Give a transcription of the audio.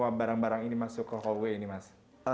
apa yang dipilih untuk barang barang ini masuk ke hallway ini mas